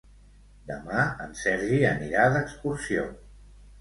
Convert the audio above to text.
Demà en Sergi anirà d'excursió.